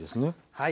はい。